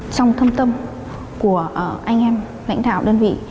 trong thâm tâm của anh em lãnh đạo đơn vị